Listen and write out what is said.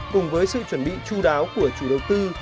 cùng với sự chuẩn bị chú đáo của chủ đầu tư